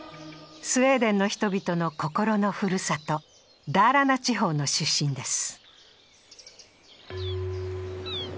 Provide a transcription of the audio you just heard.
スウェーデンの人々の心のふるさとダーラナ地方の出身です